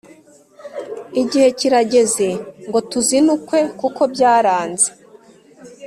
Igihe kirageze ngo tuzinukwe kuko byaranze